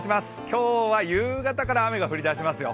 今日は夕方から雨が降りだしますよ。